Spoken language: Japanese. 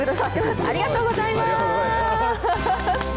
ありがとうございます。